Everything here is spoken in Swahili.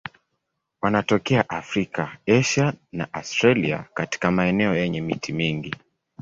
Wanatokea Afrika, Asia na Australia katika maeneo yenye miti mingi.